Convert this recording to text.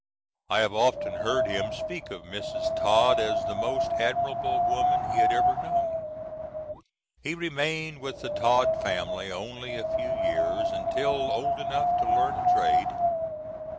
I have often heard him speak of Mrs. Tod as the most admirable woman he had ever known. He remained with the Tod family only a few years, until old enough to learn a trade.